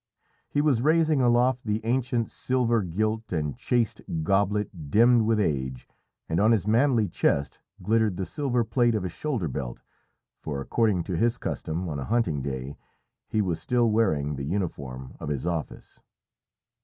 He was raising aloft the ancient silver gilt and chased goblet dimmed with age, and on his manly chest glittered the silver plate of his shoulder belt, for, according to his custom on a hunting day, he was still wearing the uniform of his office.